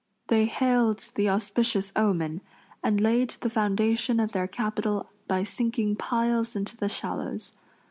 They hailed the auspicious omen and laid the foundation of their capital by sinking piles into the shallows.